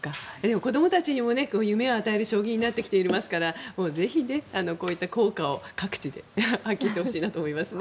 子どもたちにも夢を与える将棋になってきていますからぜひこういった効果を各地で発揮してほしいなと思いますね。